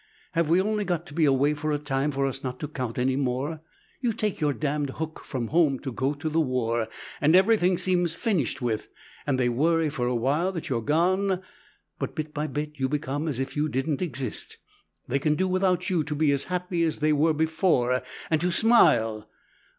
Have we only got to be away for a time for us not to count any more? You take your damned hook from home to go to the war, and everything seems finished with; and they worry for a while that you're gone, but bit by bit you become as if you didn't exist, they can do without you to be as happy as they were before, and to smile.